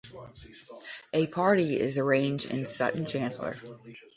A party is arranged in Sutton Chancellor.